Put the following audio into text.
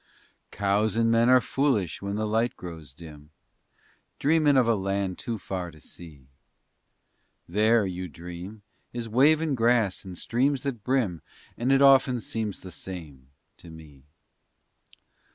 _ Cows and men are foolish when the light grows dim, Dreamin' of a land too far to see. There, you dream, is wavin' grass and streams that brim And it often seems the same to me.